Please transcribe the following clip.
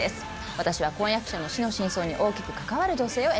私は婚約者の死の真相に大きく関わる女性を演じてます。